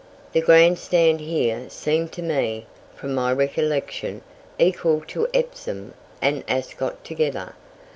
The grand stand here seemed to me, from my recollection, equal to Epsom and Ascot together.